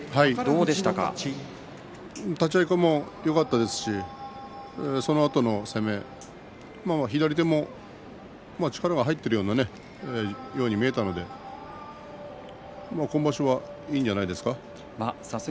立ち合いからよかったですしそのあとの攻め左手も力が入っているようなそんなふうに見えたので今場所はいいんじゃないですか。